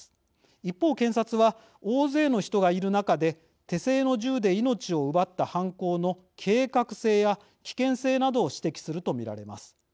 一方、検察は大勢の人がいる中で手製の銃で命を奪った犯行の計画性や危険性などを指摘すると見られます。